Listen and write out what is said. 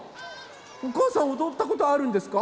おかあさんおどったことあるんですか？